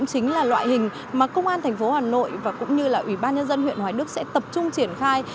hình mà công an tp hà nội và cũng như là ủy ban nhân dân huyện hoài đức sẽ tập trung triển khai